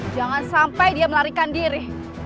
jangan sampai dia melarikan diri